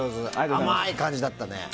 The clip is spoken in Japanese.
甘い感じだったね。